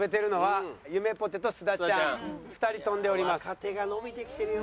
若手が伸びてきてるよ